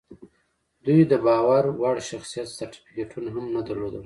دوی د باور وړ شخصیت سرټیفیکټونه هم نه درلودل